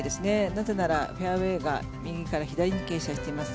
なぜならフェアウェーが右から左に傾斜しています。